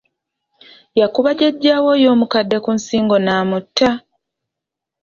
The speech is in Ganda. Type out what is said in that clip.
Yakuba jjajjaawe oyo omukadde ku nsingo n'amutta!